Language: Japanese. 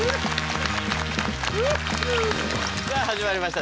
さあ始まりました